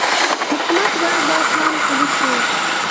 حکومت باید دا پلان پلي کړي.